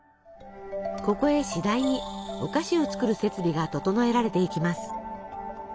ここへしだいにお菓子を作る設備が整えられていきます。